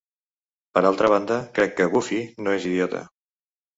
Per l"altra banda, crec que Buffy no és idiota.